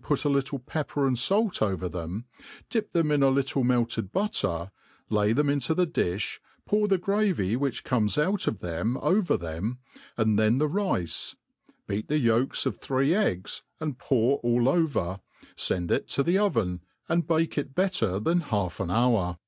put a little pepper and fait over them, dip them in a little iBeked butter^ lay theol into the difli, pour the gravy whitk cornea out of them over them,^ and thea the rice ; beat the yolks of three eggs aik) » pour all over^ fend k to the even, and bake it belter thsui half an hour.